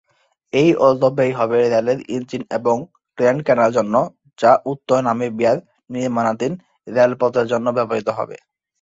এই অর্থ ব্যয় হবে রেলের ইঞ্জিন এবং ট্রেন কেনার জন্য, যা উত্তর নামিবিয়ার নির্মাণাধীন রেলপথের জন্য ব্যবহৃত হবে।